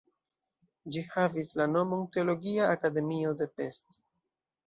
Ĝi havis la nomon "Teologia Akademio de Pest".